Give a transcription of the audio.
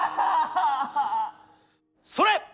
それ！